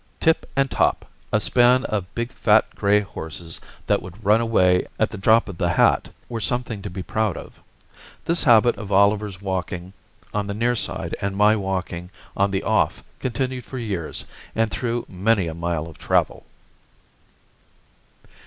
Tip and Top, a span of big, fat, gray horses that would run away "at the drop of the hat," were something to be proud of. This habit of Oliver's walking on the near side and my walking on the off continued for years and through many a mile of travel.